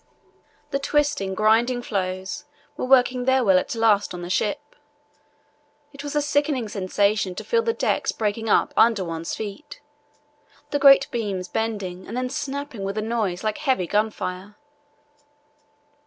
The twisting, grinding floes were working their will at last on the ship. It was a sickening sensation to feel the decks breaking up under one's feet, the great beams bending and then snapping with a noise like heavy gunfire.